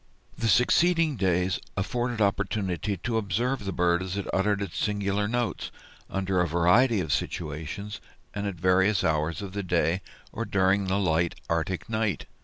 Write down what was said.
The succeeding days afforded opportunity to observe the bird as it uttered its singular notes, under a variety of situations, and at various hours of the day, or during the light Arctic night.